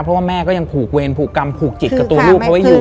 เพราะแม่ก็ยังผูกเวรผูกกรรมผูกกับตัวลูกเค้าให้อยู่